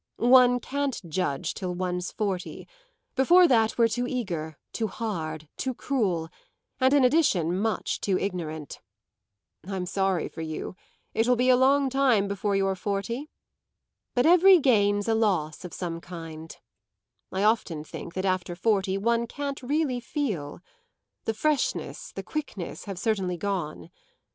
One can't judge till one's forty; before that we're too eager, too hard, too cruel, and in addition much too ignorant. I'm sorry for you; it will be a long time before you're forty. But every gain's a loss of some kind; I often think that after forty one can't really feel. The freshness, the quickness have certainly gone.